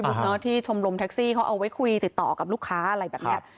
เหมือนพี่บุ๊คเนาะที่ชมรมแท็กซี่เขาเอาไว้คุยติดต่อกับลูกค้าอะไรแบบนี้